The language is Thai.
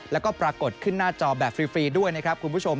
แล้วก็ปรากฏขึ้นหน้าจอแบบฟรีด้วยนะครับคุณผู้ชม